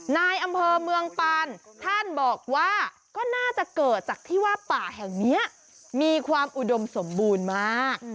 นายอำเภอเมืองปานท่านบอกว่าก็น่าจะเกิดจากที่ว่าป่าแห่งนี้มีความอุดมสมบูรณ์มาก